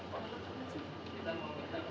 jadi kita diberikan